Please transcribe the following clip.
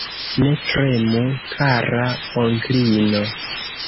Ne tremu, kara onklino.